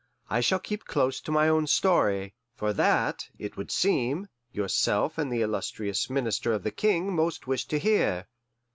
I shall keep close to my own story; for that, it would seem, yourself and the illustrious minister of the King most wish to hear.